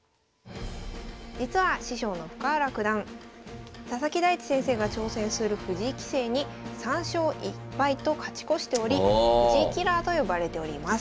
実は師匠の深浦九段佐々木大地先生が挑戦する藤井棋聖に３勝１敗と勝ち越しており藤井キラーと呼ばれております。